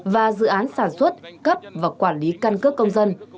và dự án sản xuất cấp và quản lý căn cước công dân